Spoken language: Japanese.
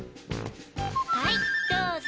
はいどうぞ。